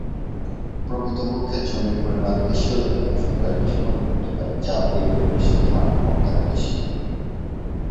প্রকৃতপক্ষে জমির পরিমাণ বেশি হলে জনসংখ্যার বিস্ফোরণ ঘটতে পারে যা ঐ পরিবেশের ধারণক্ষমতার বেশি।